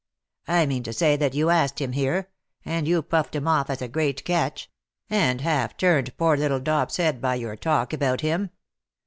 " I mean to say that you asked him here — and you puffed him off as a great catch — and half turned poor little Dop^s head by your talk about him.